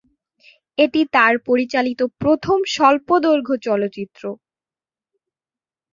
এটি তার পরিচালিত প্রথম স্বল্পদৈর্ঘ্য চলচ্চিত্র।